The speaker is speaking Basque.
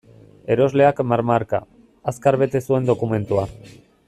Erosleak marmarka, azkar bete zuen dokumentua.